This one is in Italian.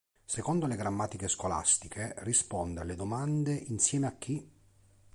Secondo le grammatiche scolastiche, risponde alle domande "Insieme a chi?